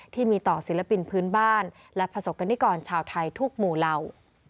ที่มีต่อศิลปินพื้นบ้านและประสบกรณิกรชาวไทยทุกหมู่เหล่า